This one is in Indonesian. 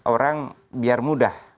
orang biar mudah